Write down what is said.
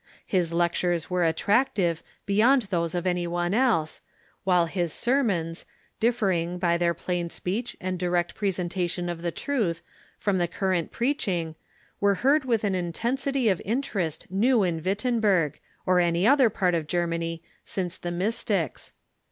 His lectures were attractive beyond those of any one else, while bis sermons, differing, by their plain speech and direct presen tation of the truth, from the current preaching, were heard with an intensity of interest new in Wittenberg, or any other part of Germany, since the Mystics.